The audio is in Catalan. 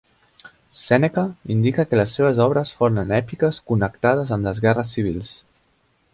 Sèneca indica que les seves obres foren èpiques connectades amb les guerres civils.